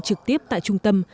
trực tiếp tại trung tâm